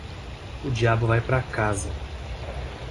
O diabo vai para casa.